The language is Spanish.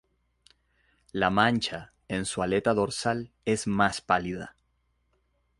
La mancha en su aleta dorsal es más pálida.